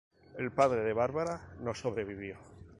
El padre de Barbara no sobrevivió.